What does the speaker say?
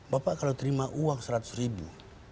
kalau saya terima uang seratus ribu